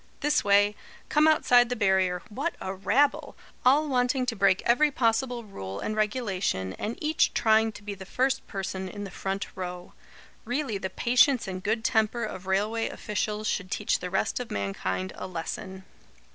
This way. Come outside the barrier. What a rabble! All wanting to break every possible rule and regulation, and each trying to be the first person in the front row. Really the patience and good temper of railway officials should teach the rest of mankind a lesson."